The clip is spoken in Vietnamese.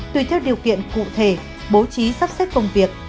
tùy theo điều kiện cụ thể bố trí sắp xếp công việc